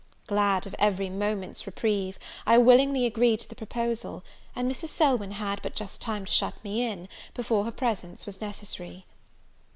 Glad of every moment's reprieve, I willingly agreed to the proposal; and Mrs. Selwyn had but just time to shut me in, before her presence was necessary.